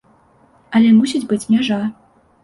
Але мусіць быць мяжа.